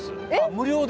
無料で？